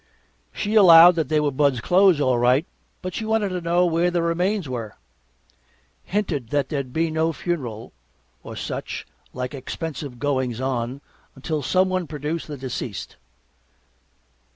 She allowed that they were Bud's clothes, all right, but she wanted to know where the remains were. Hinted that there'd be no funeral, or such like expensive goings on, until some one produced the deceased.